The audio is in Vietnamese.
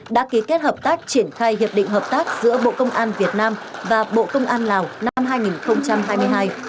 đã ký kết hợp tác triển khai hiệp định hợp tác giữa bộ công an việt nam và bộ công an lào năm hai nghìn hai mươi hai